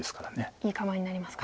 いい構えになりますか。